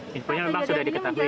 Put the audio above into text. infonya memang sudah diketahui